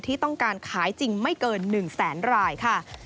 ที่ต้องการขายจริงไม่เกิน๑แสนรายค่ะ